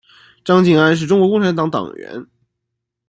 张敬安是中国共产党党员。